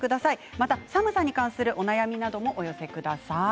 また寒さに関するお悩みなどもお寄せください。